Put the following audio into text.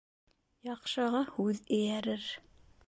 Яҡшыға һүҙ эйәрер